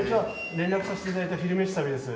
連絡させていただいた「昼めし旅」です。